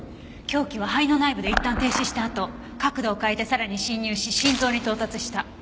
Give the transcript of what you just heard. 凶器は肺の内部でいったん停止したあと角度を変えてさらに侵入し心臓に到達した。